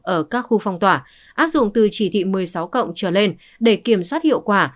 ở các khu phong tỏa áp dụng từ chỉ thị một mươi sáu cộng trở lên để kiểm soát hiệu quả